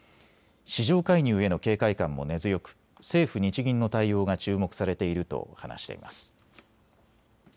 市場介入への警戒感も根強く政府・日銀の対応が注目されていると話しています。